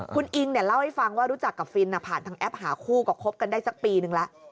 คุณอิงเล่าให้ฟังว่ารู้จักกับฟินผ่านทางแอปหาคู่ก็คบกันได้สักปีนึงแล้ว